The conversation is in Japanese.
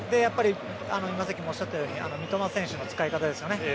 今さっきおっしゃったように三笘選手の使い方ですよね。